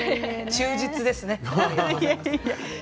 忠実ですね。